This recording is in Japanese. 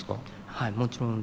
はいもちろん。